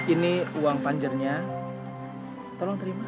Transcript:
ini uang fanggernya tolong terima